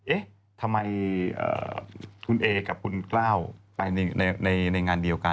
เอ๊ะทำไมคุณเอกับคุณกล้าวไปในงานเดียวกัน